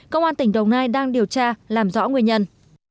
công an tỉnh đồng nai đang điều tra làm rõ nguyên nhân